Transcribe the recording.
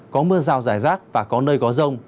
có mưa rào rải rác và có nơi có rông